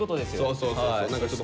そうそうそうそう。